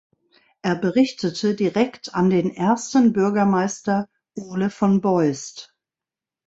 Er berichtete direkt an den Ersten Bürgermeister Ole von Beust.